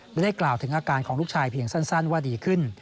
ได้กล่าวถึงอาการของลูกชายเพียงสั้นว่าดีขึ้น